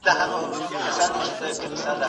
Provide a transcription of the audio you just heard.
د کفر په اراده او تمنا سره انسان کافر کيږي